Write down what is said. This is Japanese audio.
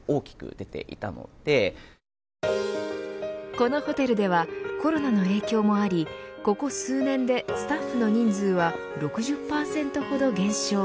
このホテルではコロナの影響もありここ数年でスタッフの人数は６０％ほど減少。